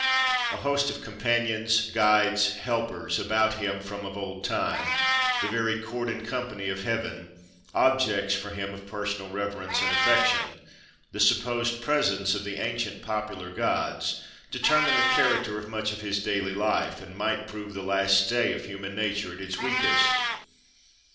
A host of companions, guides, helpers, about him from of old time, "the very court and company of heaven," objects for him of personal reverence and affection—the supposed presence of the ancient popular gods determined the character of much of his daily life, and might prove the last stay of human nature at its weakest.